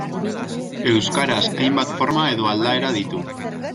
Euskaraz hainbat forma edo aldaera ditu.